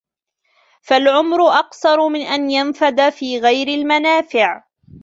فَالْعُمُرُ أَقْصَرُ مِنْ أَنْ يَنْفَدَ فِي غَيْرِ الْمَنَافِعِ